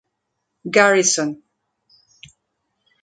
Garrison.